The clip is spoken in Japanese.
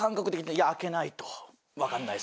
「開けないと分からないです。